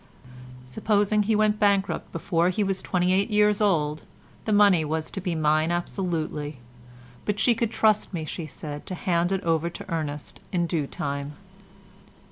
Supposing he went bankrupt before he was twenty eight years old, the money was to be mine absolutely, but she could trust me, she said, to hand it over to Ernest in due time.